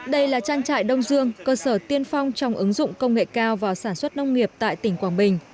đây là trang trại đông dương cơ sở tiên phong trong ứng dụng công nghệ cao vào sản xuất nông nghiệp tại tỉnh quảng bình